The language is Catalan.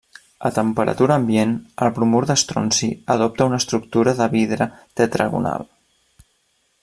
A temperatura ambient, el bromur d'estronci adopta una estructura de vidre tetragonal.